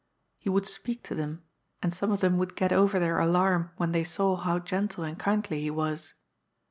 He would speak to them, and some of them would get oyer their alarm when they saw how gentle and kindly he was.